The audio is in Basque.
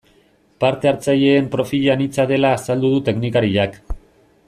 Parte hartzaileen profila anitza dela azaldu du teknikariak.